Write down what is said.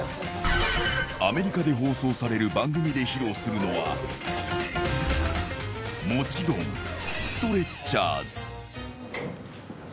アメリカで放送される番組で披露するのは、もちろんストレッチャーズ。